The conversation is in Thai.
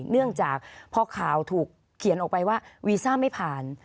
เนื่องจากพอข่าวถูกเขียนออกไปว่าวีซ่าไม่ผ่าน